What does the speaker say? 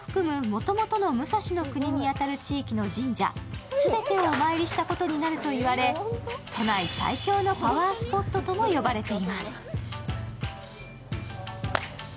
もともとの武蔵国に当たる地域の神社、全てをお参りしたことになるといわれ、都内最強のパワースポットとも呼ばれています。